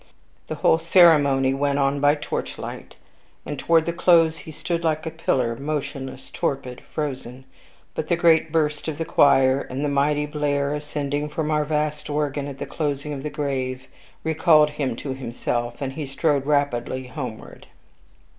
The whole ceremony went on by torchlight, and toward the close he stood like a pillar, motionless, torpid, frozen. But the great burst of the choir, and the mighty blare ascending from our vast organ at the closing of the grave, recalled him to himself, and he strode rapidly homeward.